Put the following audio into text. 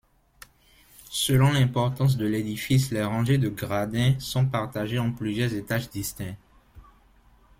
Selon l'importance de l'édifice, les rangées de gradins sont partagées en plusieurs étages distincts.